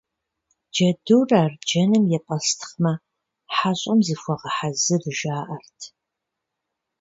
Джэдур арджэным епӀэстхъмэ, хьэщӀэм зыхуэгъэхьэзыр жаӏэрт.